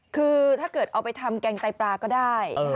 คือถ้าเกิดเอาไปทำแกงไตปลาก็ได้